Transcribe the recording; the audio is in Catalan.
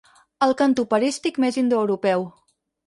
El cant operístic més indoeuropeu.